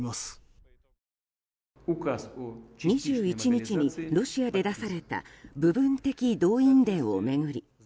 ２１日にロシアで出された部分的動員令を巡り